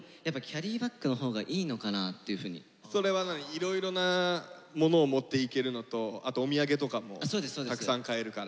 いろいろなものを持っていけるのとあとお土産とかもたくさん買えるから。